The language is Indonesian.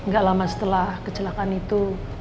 gak lama setelah kecelakaan itu